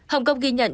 hồng kông ghi nhận